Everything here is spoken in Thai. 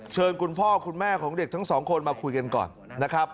คุณพ่อคุณแม่ของเด็กทั้งสองคนมาคุยกันก่อนนะครับ